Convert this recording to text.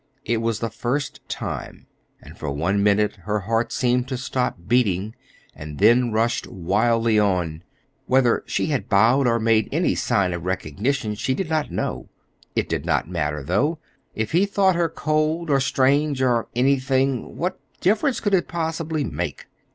It was the first time; and for one minute her heart seemed to stop beating and then rushed wildly on. Whether she had bowed or made any sign of recognition, she did not know. It did not matter, though; if he thought her cold or strange or anything, what difference could it possibly make?